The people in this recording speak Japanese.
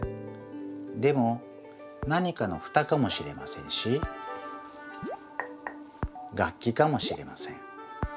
でも何かのふたかもしれませんし楽器かもしれません。